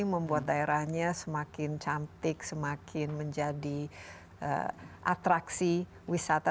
membuat daerahnya semakin cantik semakin menjadi atraksi wisata